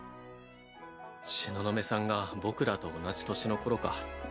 東雲さんが僕らと同じ年の頃か。